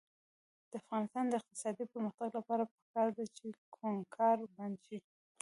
د افغانستان د اقتصادي پرمختګ لپاره پکار ده چې کوکنار بند شي.